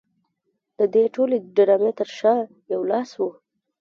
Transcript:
د دې ټولې ډرامې تر شا یو لاس و